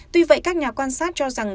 tuy vậy các nhà quan sát cho rằng